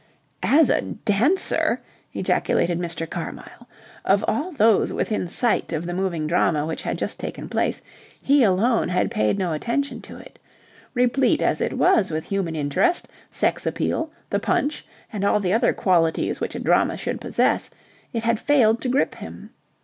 "As a dancer!" ejaculated Mr. Carmyle. Of all those within sight of the moving drama which had just taken place, he alone had paid no attention to it. Replete as it was with human interest, sex appeal, the punch, and all the other qualities which a drama should possess, it had failed to grip him.